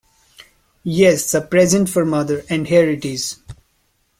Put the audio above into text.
Yes; a present for mother, and here it is!